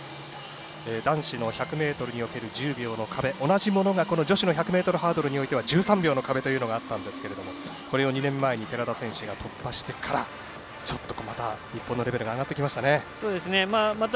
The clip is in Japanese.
男子の１００ｍにおける１０秒の壁同じものが女子１００ｍで１３秒の壁というのがあったんですがこれを２年前、寺田選手が突破してまた日本のレベルが上がりました。